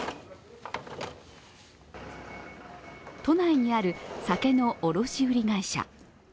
都内にある酒の卸売会社。